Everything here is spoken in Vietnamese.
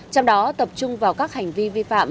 trong đó tập trung vào các hành vi vi phạm